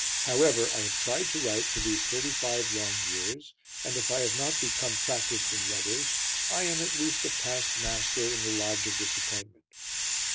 However, I have tried to write for these thirty five long years, and if I have not become practised in letters, I am at least a past master in the Lodge of Disappointment.